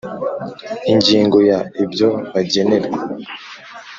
Ingingo ya ibyo bagenerwa